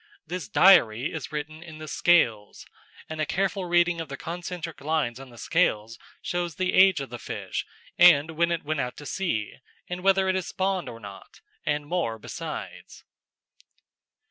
This diary is written in the scales, and a careful reading of the concentric lines on the scales shows the age of the fish, and when it went out to sea, and whether it has spawned or not, and more besides.